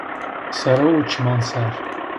Sere û çiman ser